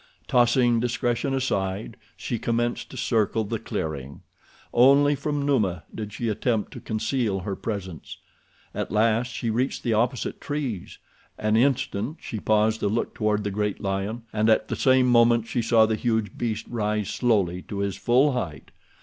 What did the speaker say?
Tossing discretion aside, she commenced to circle the clearing. Only from Numa did she attempt to conceal her presence. At last she reached the opposite trees. An instant she paused to look toward the great lion, and at the same moment she saw the huge beast rise slowly to his full height.